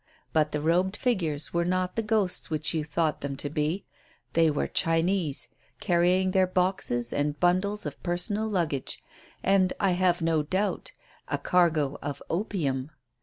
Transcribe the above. But the robed figures were not the ghosts which you thought them to be; they were Chinese, carrying their boxes and bundles of personal luggage, and, I have no doubt, a cargo of opium.